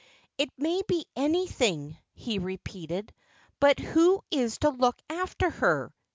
"It may be anything," he repeated. "But who is to look after her?